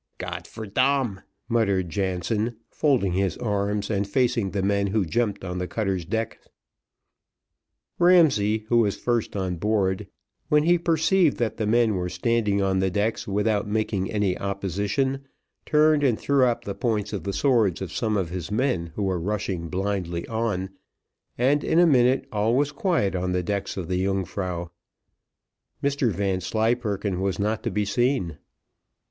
"Gott for dam," muttered Jansen, folding his arms and facing the men who jumped on the cutter's decks. Ramsay, who was first on board when he perceived that the men were standing on the decks without making any opposition, turned and threw up the points of the swords of some of his men who were rushing blindly on, and, in a minute all was quiet on the decks of the Yungfrau. Mr Vanslyperken was not to be seen.